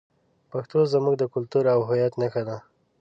پښتو زموږ د کلتور او هویت نښه ده.